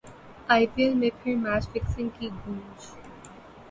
ائی P L میں پھر match fixing کی گونج